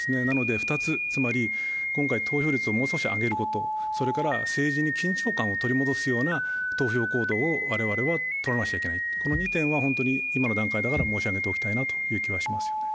２つ、つまり今回投票率をもう少し上げることそれから政治に緊張感を取り戻すような投票行動を我々はとらなくちゃいけない、この２点は、本当に今の段階だから申し上げておきたいと思います。